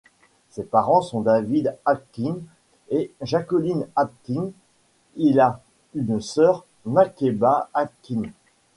Ses parents sont David Atkins et Jacqueline Atkins, il a une sœur, Makeba Atkins.